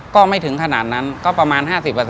ก็ไม่ถึงขนาดนั้นก็ประมาณ๕๐